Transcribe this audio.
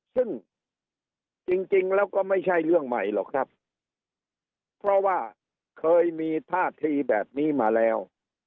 ซึ่งจริงแล้วก็ไม่ใช่เรื่องใหม่หรอกครับเพราะว่าเคยมีท่าทีแบบนี้มาแล้ว